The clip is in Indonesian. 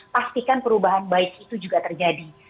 pastikan perubahan baik itu juga terjadi